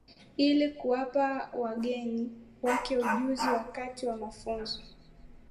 Ili kuwapa wageni wake ujuzi wakati wa mafunzo